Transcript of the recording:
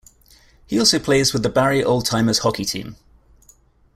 He also plays with the Barrie Oldtimers Hockey Team.